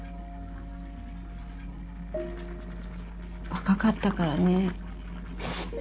若かったからね。